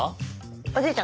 おじいちゃん